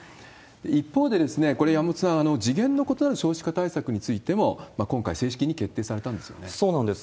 一方で、これ、山本さん、次元の異なる少子化対策についても今回正式に決定されたんですよそうなんです。